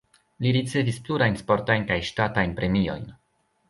Li ricevis plurajn sportajn kaj ŝtatajn premiojn.